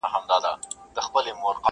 چي قاضي وي چي دا گيند او دا ميدان وي٫